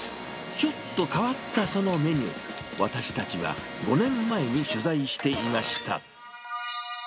ちょっと変わったそのメニュー、私たちは５年前に取材していました。